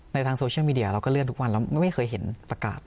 ทางโซเชียลมีเดียเราก็เลื่อนทุกวันเราไม่เคยเห็นประกาศ